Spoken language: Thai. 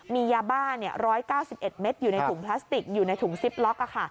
มียาบ้า๑๙๑เม็ดอยู่ในถุงพลาสติกอยู่ในถุงซิปล็อก